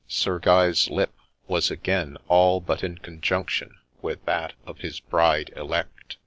Sir Guy's lip was again all but in conjunction with that of his bride elect.